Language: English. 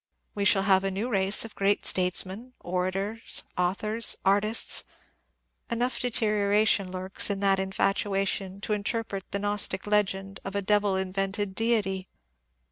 We shall have a new race of great statesmen, orators, authors, artists ! Enough deterioration lurks in that infatuation to interpret the Crnostic legend of a devil invented deity.